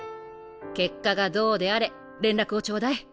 結果がどうであれ連絡をちょうだい。